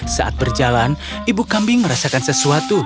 saat berjalan ibu kambing merasakan sesuatu